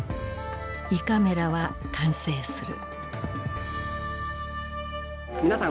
胃カメラは完成する。